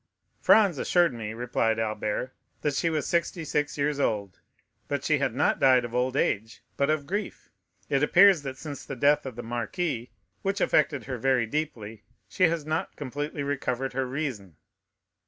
"Franz assured me," replied Albert, "that she was sixty six years old. But she has not died of old age, but of grief; it appears that since the death of the marquis, which affected her very deeply, she has not completely recovered her reason."